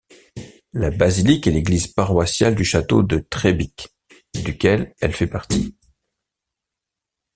La basilique est l'église paroissiale du château de Třebíč, duquel elle fait partie.